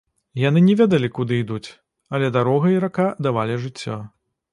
Яны не ведалі, куды ідуць, але дарога і рака давалі жыццё.